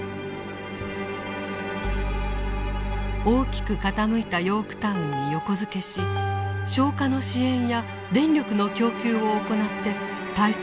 大きく傾いた「ヨークタウン」に横付けし消火の支援や電力の供給を行って態勢の立て直しを図りました。